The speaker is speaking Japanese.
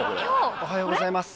おはようございます。